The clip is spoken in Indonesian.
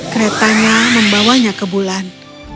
keretanya membawanya ke bulan